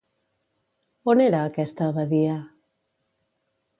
On era aquesta abadia?